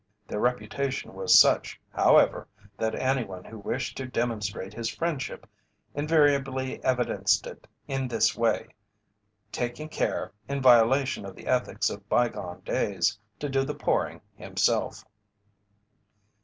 Their reputation was such, however, that any one who wished to demonstrate his friendship invariably evidenced it in this way, taking care, in violation of the ethics of bygone days, to do the pouring himself.